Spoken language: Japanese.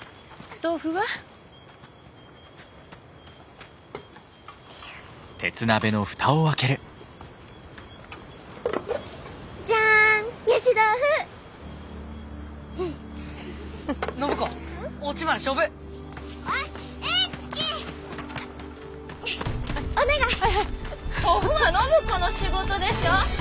豆腐は暢子の仕事でしょ！